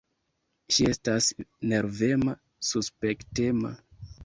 Ŝi estas nervema, suspektema.